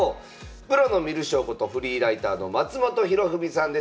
プロの観る将ことフリーライターの松本博文さんです。